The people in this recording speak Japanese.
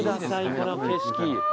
この景色。